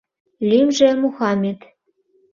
Лӱмжӧ — Мухамет.